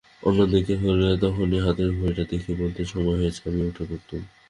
অন্যদিন হলে তখনই হাতের ঘড়িটা দেখিয়ে বলতেন, সময় হয়েছে, আমিও উঠে পড়তুম।